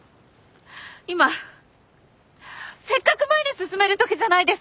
今せっかく前に進めるときじゃないですか。